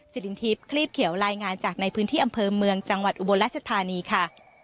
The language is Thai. สิรินทิพย์คลีบเขียวรายงานจากในพื้นที่อำเภอเมืองจังหวัดอุบลรัชธานีค่ะ